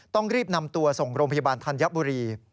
ต้องรีบนำตัวส่งโรงพยาบาลธัญบุรี